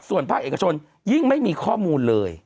ส่วนภาคเอกชนยิ่งไม่มีข้อมูลเลย